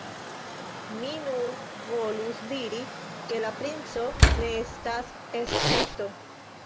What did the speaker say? Mi nur volus diri, ke la princo ne estas escepto.